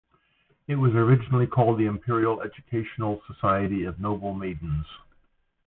It was originally called the Imperial Educational Society of Noble Maidens.